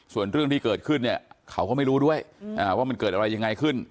ส่วนเรื่องที่เกิดขึ้นเนี่ยเขาก็ไม่รู้ด้วยว่ามันเกิดอะไรยังไงขึ้น